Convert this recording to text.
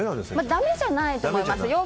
だめじゃないと思います。